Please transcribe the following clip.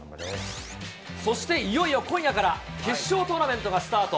そしていよいよ今夜から、決勝トーナメントがスタート。